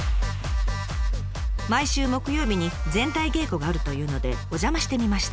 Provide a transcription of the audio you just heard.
毎週木曜日に全体稽古があるというのでお邪魔してみました。